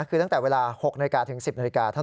คือตั้งแต่เวลา๖นาทีถึง๑๐นาที